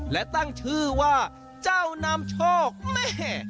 และตั้งชื่อว่าเจ้านามโชคแม่